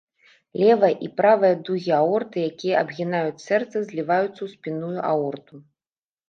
Левая і правая дугі аорты, якія абгінаюць сэрца, зліваюцца ў спінную аорту.